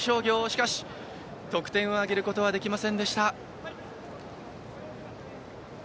しかし、得点を挙げることはできませんでした。